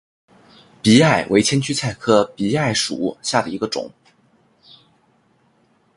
荸艾为千屈菜科荸艾属下的一个种。